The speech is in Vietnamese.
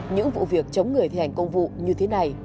những vụ việc chống người thi hành công vụ như thế này